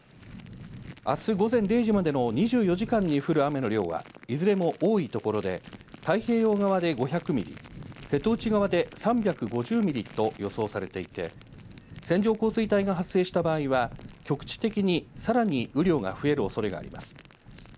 あす午前０時までの２４時間に降る雨の量はいずれも多い所で、太平洋側で５００ミリ、瀬戸内側で３５０ミリと予想されていて、線状降水帯が発生した場合は局地的にさらに雨量が増えるおそれがあります。